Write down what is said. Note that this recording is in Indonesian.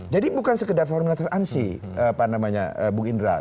jadi bukan sekedar formulasi ansi pak bung indra